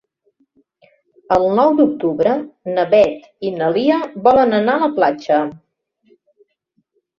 El nou d'octubre na Beth i na Lia volen anar a la platja.